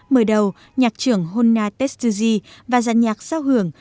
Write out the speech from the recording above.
mở đầu nhạc trưởng honna tetsuji và giàn nhạc sao hưởng